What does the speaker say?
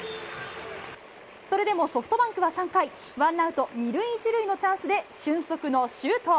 それでもソフトバンクは３回、ワンアウト２塁１塁のチャンスで、俊足の周東。